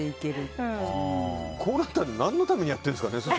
こうなったら何のためにやってるんですかね。